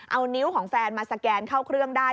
เอานิ้วของแฟนมาสแกนเข้าเครื่องได้